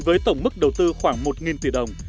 với tổng mức đầu tư khoảng một triệu đồng